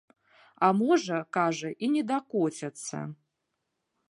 А можа, кажа, і не дакоцяцца.